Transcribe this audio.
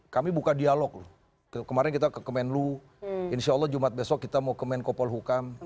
kami buka dialog kemarin kita ke kemenlu insya allah jumat besok kita mau ke menko polhukam